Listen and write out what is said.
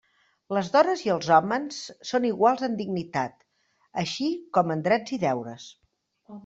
Les dones i els hòmens són iguals en dignitat, així com en drets i deures.